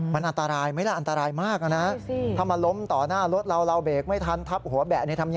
มันอันตรายไหมล่ะอันตรายมากนะ